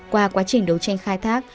qua quá trình đấu tranh khai thác